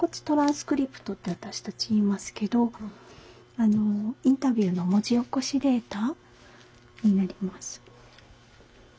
トランスクリプトって私たち言いますけどインタビューの文字起こしデータになります。